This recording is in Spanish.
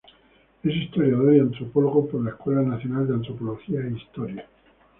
Es historiador y antropólogo por la Escuela Nacional de Antropología e Historia.